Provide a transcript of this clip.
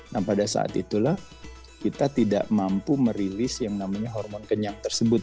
nah pada saat itulah kita tidak mampu merilis yang namanya hormon kenyang tersebut